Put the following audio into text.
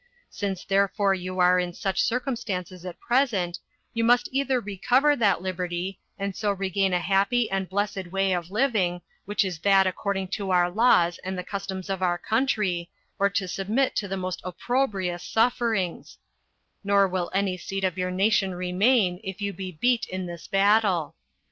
Since therefore you are in such circumstances at present, you must either recover that liberty, and so regain a happy and blessed way of living, which is that according to our laws, and the customs of our country, or to submit to the most opprobrious sufferings; nor will any seed of your nation remain if you be beat in this battle.